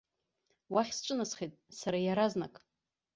Уахь сҿынасхеит сара иаразнак.